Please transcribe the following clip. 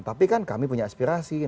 tapi kan kami punya aspirasi